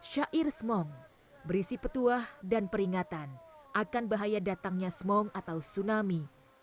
syair smong berisi petuah dan peringatan akan bahaya datangnya smong atau tsunami